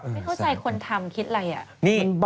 เป็นแบบใช่คนทำคิดอะไร